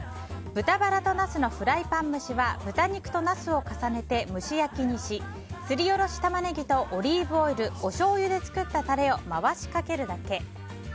豚バラとナスのフライパン蒸しは豚肉とナスを重ねて蒸し焼きにしすりおろしタマネギとオリーブオイルおしょうゆで作ったタレを回しかけるだけ。